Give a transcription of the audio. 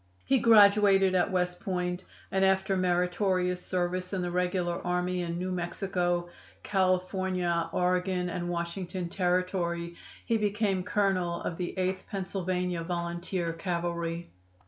He graduated at West Point, and after meritorious service in the regular army in New Mexico, California, Oregon and Washington Territory he became colonel of the Eighth Pennsylvania Volunteer Cavalry.